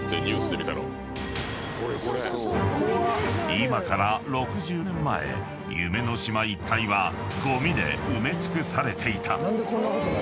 ［今から６０年前夢の島一帯はゴミで埋め尽くされていた］